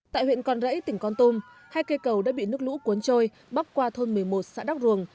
tại huyện con rẫy tỉnh con tum hai cây cầu đã bị nước lũ cuốn trôi bắp qua thôn một mươi một xã đắc ruồng